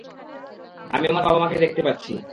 আমি আমার বাবা-মাকে দেখতে পাচ্ছি।